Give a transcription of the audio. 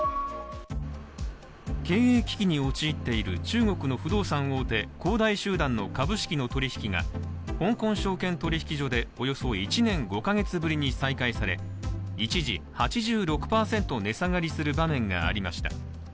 経営危機に陥っている中国の不動産大手恒大集団の株式の取引が香港証券取引所でおよそ１年５か月ぶりに再開され、一時８６％値下がりする場面がありました。